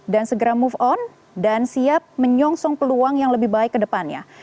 dan segera move on dan siap menyongsong peluang yang lebih baik ke depannya